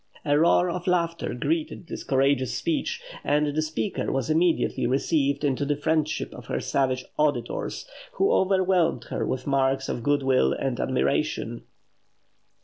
'" A roar of laughter greeted this courageous speech, and the speaker was immediately received into the friendship of her savage auditors, who overwhelmed her with marks of goodwill and admiration.